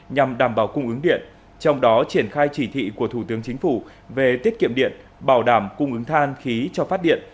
nhằm đảm bảo cung ứng điện trong đó triển khai chỉ thị của thủ tướng chính phủ về tiết kiệm điện bảo đảm cung ứng than khí cho phát điện